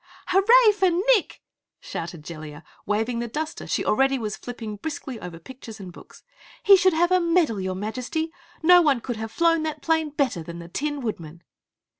"Hurray for Nick," shouted Jellia, waving the duster she already was flipping briskly over pictures and books. "He should have a medal, your Majesty! No one could have flown that Plane better than the Tin Woodman!"